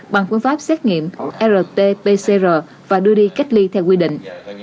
bằng phương pháp xét nghiệm rt pcr và đưa đi cách ly theo quy định